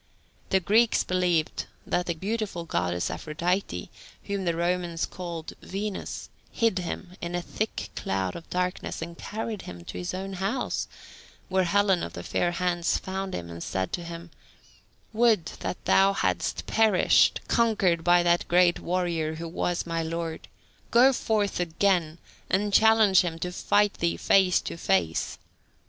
The Greeks believed that the beautiful goddess Aphrodite, whom the Romans called Venus, hid him in a thick cloud of darkness and carried him to his own house, where Helen of the fair hands found him and said to him, "Would that thou hadst perished, conquered by that great warrior who was my lord! Go forth again and challenge him to fight thee face to face."